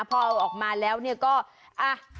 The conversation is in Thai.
พอเอาออกมาแล้วเนี่ยก็อ่ะ